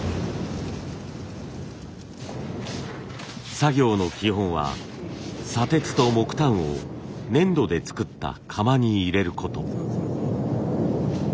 作業の基本は砂鉄と木炭を粘土で作った窯に入れること。